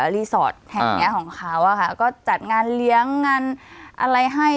แห่งเนี้ยของคาว่าค่ะก็จัดงานเลี้ยงงานอะไรให้